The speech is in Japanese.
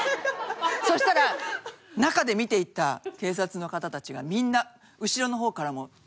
そしたら中で見ていた警察の方たちがみんな後ろの方からも。